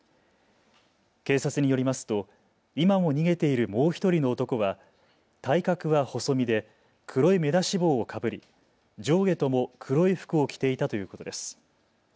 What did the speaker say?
警察によりますと今も逃げているもう１人の男は体格は細身で黒い目出し帽をかぶり上下とも黒い服を着ていたということです。